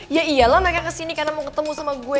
ya iyalah mereka kesini karena mau ketemu sama gue